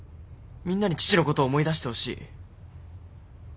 みんなに父のことを思い出してほしい。